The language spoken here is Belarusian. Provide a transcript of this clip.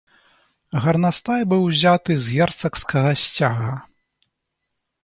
Гарнастай быў узяты з герцагскага сцяга.